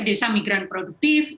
desa migran produktif